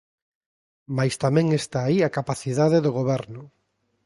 Mais tamén está aí a capacidade do goberno.